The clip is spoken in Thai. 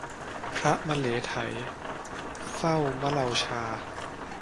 พระมะเหลไถเฝ้ามะเลาชา